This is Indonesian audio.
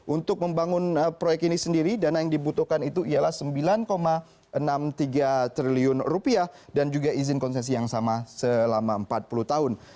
untuk membangun proyek ini sendiri dana yang dibutuhkan itu ialah rp sembilan enam puluh tiga triliun dan juga izin konsesi yang sama selama empat puluh tahun